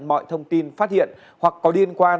mọi thông tin phát hiện hoặc có liên quan